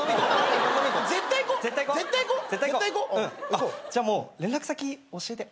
あっじゃあもう連絡先教えて。